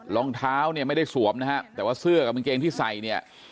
รองเท้าเนี่ยไม่ได้สวมนะฮะแต่ว่าเสื้อกับกางเกงที่ใส่เนี่ย